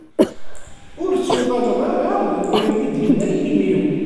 Ur ttuɣaleɣ ara deg wayen i d-inna yimi-w.